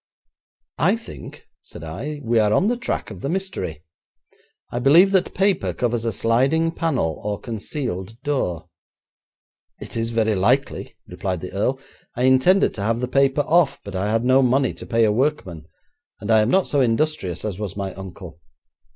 'I think,' said I, 'we are on the track of the mystery. I believe that paper covers a sliding panel or concealed door.' 'It is very likely,' replied the earl. 'I intended to have the paper off, but I had no money to pay a workman, and I am not so industrious as was my uncle.